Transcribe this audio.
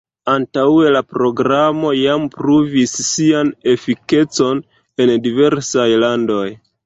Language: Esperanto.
Antaŭe la Programo jam pruvis sian efikecon en diversaj landoj.